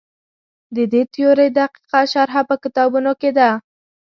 د دې تیورۍ دقیقه شرحه په کتابونو کې ده.